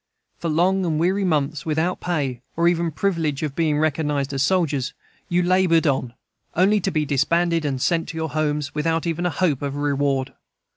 For long and weary months without pay, or even the privilege of being recognized as soldiers, you labored on, only to be disbanded and sent to your homes, without even a hope of reward.